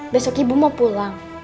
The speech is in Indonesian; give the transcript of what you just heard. besok ibu mau pulang